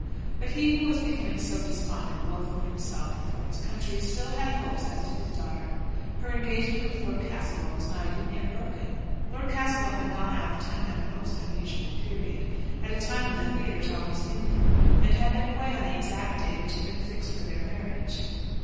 But he who was becoming so despondent both for himself and for his country, still had hopes as to his daughter. Her engagement with Lord Castlewell was not even yet broken. Lord Castlewell had gone out of town at a most unusual period, at a time when the theatres always knew him, and had been away on the exact day which had been fixed for their marriage.